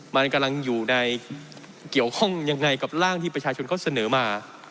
มันกำลังอยู่ในเกี่ยวข้องยังไงกับร่างที่ประชาชนเขาเสนอมา